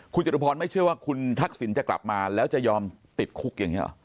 คุณจตุพรไม่เชื่อว่าคุณทักษิณจะกลับมาแล้วจะยอมติดคุกอย่างนี้หรอ